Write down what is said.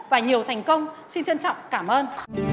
và nhiều thành công xin trân trọng cảm ơn